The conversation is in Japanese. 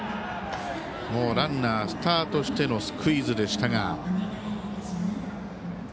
ランナー、スタートしてのスクイズでしたが。